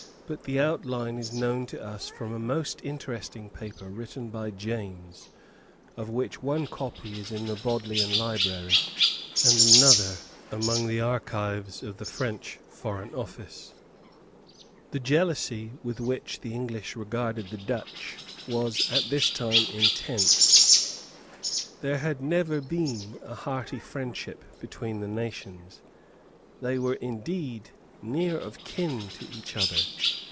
But the outline is known to us from a most interesting paper written by James, of which one copy is in the Bodleian Library, and another among the archives of the French Foreign Office. The jealousy with which the English regarded the Dutch was at this time intense. There had never been a hearty friendship between the nations. They were indeed near of kin to each other.